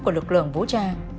của lực lượng vũ trang